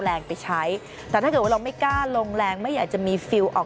แรงไปใช้แต่ถ้าเกิดว่าเราไม่กล้าลงแรงไม่อยากจะมีฟิลลออก